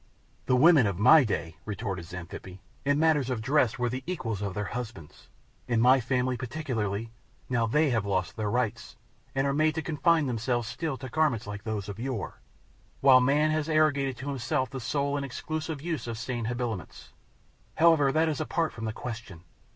"The women of my day," retorted Xanthippe, "in matters of dress were the equals of their husbands in my family particularly; now they have lost their rights, and are made to confine themselves still to garments like those of yore, while man has arrogated to himself the sole and exclusive use of sane habiliments. However, that is apart from the question.